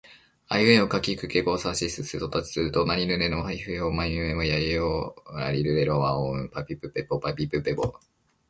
あいうえおかきくけこさしすせそたちつてとなにぬねのはひふへほまみむめもやゆよらりるれろわおんぱぴぷぺぽばびぶべぼ